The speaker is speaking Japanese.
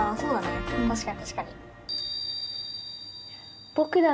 確かに確かに。